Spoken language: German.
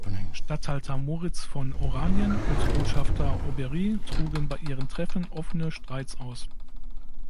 Statthalter Moritz von Oranien und Botschafter Aubery trugen bei ihren Treffen offene Streits aus.